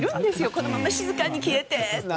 このまま静かに消えてって。